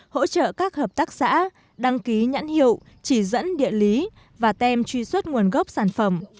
hỗ trợ các hợp tác xã đăng ký nhãn hiệu chỉ dẫn địa lý và tem truy xuất nguồn gốc sản phẩm